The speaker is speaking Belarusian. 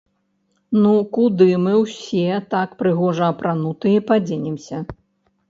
Ну куды мы ўсе так прыгожа апранутыя падзенемся???